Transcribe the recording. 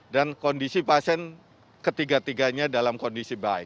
dan kondisi pasien ketiga tiganya dalam kondisi baik